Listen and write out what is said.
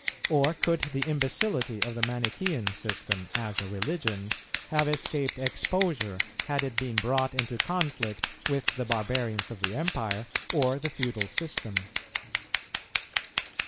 or could the imbecility of the Manichean system, as a religion, have escaped exposure, had it been brought into conflict with the barbarians of the Empire, or the feudal system?